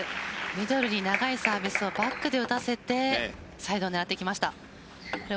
ミドルに長いサービスをバックで打たせてサイドになっていきました。